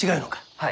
はい。